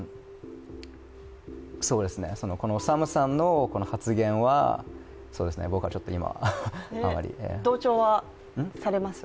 サムさんの発言は僕はちょっと今あまり同調はされます？